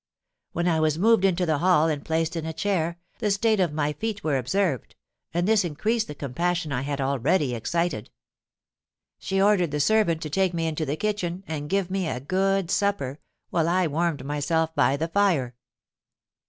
'—When I was moved into the hall, and placed in a chair, the state of my feet was observed; and this increased the compassion I had already excited. She ordered the servant to take me into the kitchen, and give me a good supper, while I warmed myself by the fire.